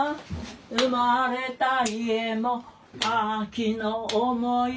生れた家も秋の思い出は